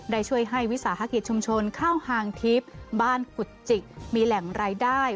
ได้ช่วยให้วิสาหกิจชุมชนข้าวหางทิพย์บ้านกุฎจิกมีแหล่งรายได้